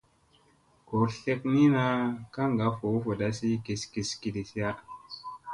Goor tleknina kaŋga voo vadasi kis kis kidisiya.